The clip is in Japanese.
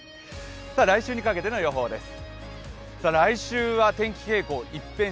来週にかけての予報です。